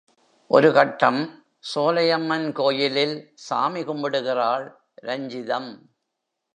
ஒரு கட்டம் சோலையம்மன் கோயிலில், சாமி கும்பிடுகிறாள் ரஞ்சிதம்.